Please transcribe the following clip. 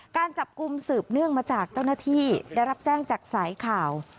การจับกลุ่มสืบเนื่องมาจากเจ้าหน้าที่ได้รับแจ้งจากสายข่าว